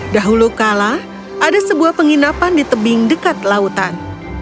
dahulu kala ada sebuah penginapan di tebing dekat lautan